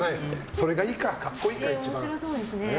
それがいいか、格好いいか、一番。